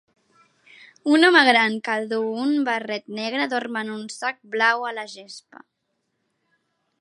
Un home gran que duu un barret negre dorm en un sac blau a la gespa.